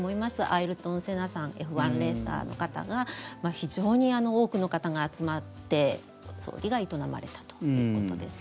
アイルトン・セナさんＦ１レーサーの方が非常に多くの方が集まって葬儀が営まれたということです。